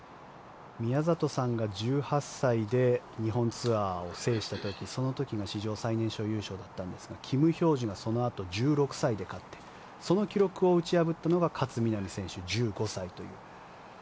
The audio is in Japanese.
宮里さんが１８歳で日本ツアーを制した時その時が史上最年少優勝だったんですがキム・ヒョージュがそのあと１６歳で勝ってその記録を打ち破ったのが勝みなみ選手、１５歳という。